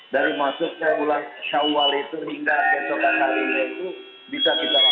dari masuk ke ulang syawal itu hingga besokan hari ini itu bisa kita lakukan